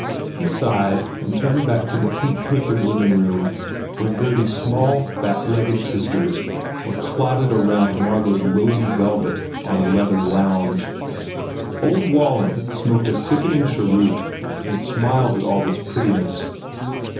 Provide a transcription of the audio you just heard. He sighed and turned back to the pink papered living room where Gurdy s small, fat legged sisters were clotted around Margot s rosy velvet on a leather lounge. THE FAIR REWARDS Old Walling smoked a sickening cheroot and smiled at all this prettiness.